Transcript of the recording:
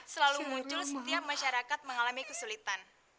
selalu muncul setiap masyarakat mengalami kesulitan